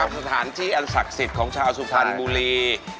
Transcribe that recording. สถานที่อันศักดิ์สิทธิ์ของชาวสุพรรณบุรี